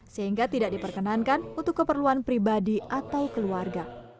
sehingga tidak diperkenankan untuk keperluan pribadi atau keluarga